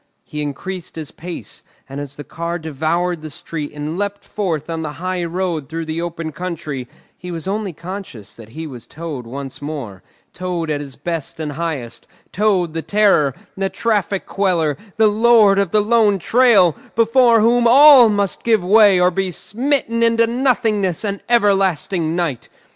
He increased his pace, and as the car devoured the street and leapt forth on the high road through the open country, he was only conscious that he was Toad once more, Toad at his best and highest, Toad the terror, the traffic queller, the Lord of the lone trail, before whom all must give way or be smitten into nothingness and everlasting night.